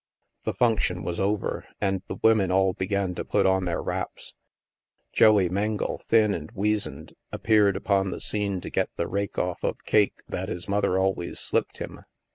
The function was over, and the women all began to put on their wraps. Joey Mengle, thin and weazened, appeared upon the scene to get the rake off of cake that his mother always " slipped " him.